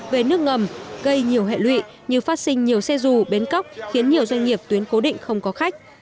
về nước ngầm gây nhiều hệ lụy như phát sinh nhiều xe dù bến cóc khiến nhiều doanh nghiệp tuyến cố định không có khách